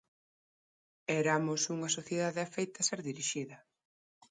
Eramos unha sociedade afeita a ser dirixida.